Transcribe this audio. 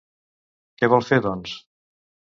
Què vol fer, doncs?